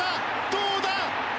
どうだ？